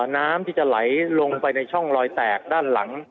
น้ำที่จะไหลลงไปในช่องลอยแตกด้านหลัง